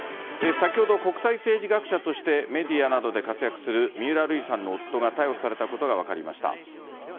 先ほど、国際政治学者としてメディアなどで活躍する三浦瑠麗さんの夫が逮捕されたことが分かりました。